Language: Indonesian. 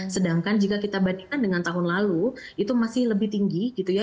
sedangkan jika kita bandingkan dengan tahun lalu itu masih lebih tinggi gitu ya